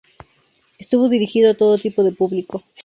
Estuvo dirigido a todo tipo de público.